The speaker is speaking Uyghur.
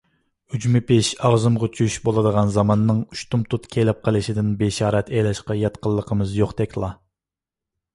«ئۈجمە پىش، ئاغزىمغا چۈش» بولىدىغان زاماننىڭ ئۇشتۇمتۇت كېلىپ قېلىشىدىن بېشارەت ئېلىشقا ياتقىنلىقىمىز يوقتەكلا.